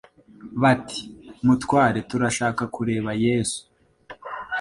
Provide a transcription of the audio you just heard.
bati: «Mutware turashaka kureba Yesu.